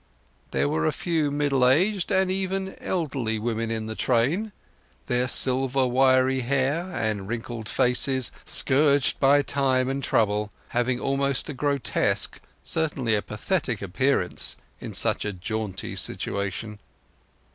There were a few middle aged and even elderly women in the train, their silver wiry hair and wrinkled faces, scourged by time and trouble, having almost a grotesque, certainly a pathetic, appearance in such a jaunty situation.